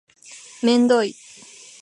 めんどい